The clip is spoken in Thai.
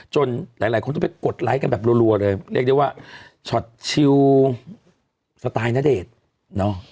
หลายคนต้องไปกดไลค์กันแบบรัวเลยเรียกได้ว่าช็อตชิลสไตล์ณเดชน์เนาะ